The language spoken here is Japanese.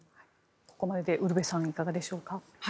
ここまででウルヴェさんいかがでしょうか？